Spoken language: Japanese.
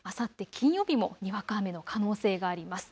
金曜日もにわか雨の可能性があります。